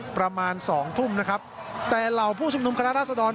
ประมาณสองทุ่มนะครับแต่เหล่าผู้ชุมนุมคณะราษฎร